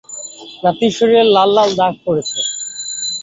নাতির শরীরে লাল লাল দাগ পরেছে